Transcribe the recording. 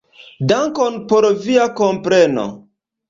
Dankon por via kompreno.